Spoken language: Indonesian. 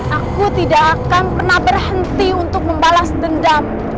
aku tidak akan pernah berhenti untuk membalas dendam